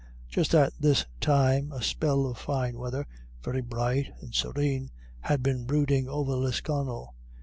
Just at this time a spell of fine weather, very bright and serene, had been brooding over Lisconnel.